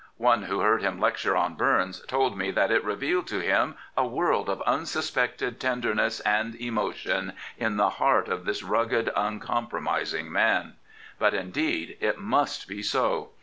One who heard him lecture on Burns told me that it revealed to him a world of unsuspected tenderness and emotion in the heart of this rugged, uncompromising man. But, indeed, it must be so.